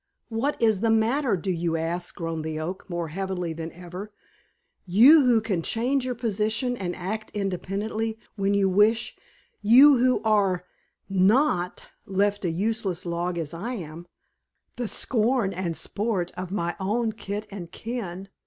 "What is the matter, do you ask?" groaned the Oak more heavily than ever "you who can change your position and act independently when you wish; you who are not left a useless log as I am, the scorn and sport of my own kith and kin?